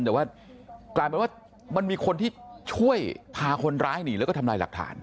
แต่ว่ากลายเป็นว่ามันมีคนที่ช่วยพาคนร้ายหนีแล้วก็ทำลายหลักฐาน